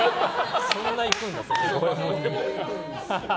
そんな行くんだ。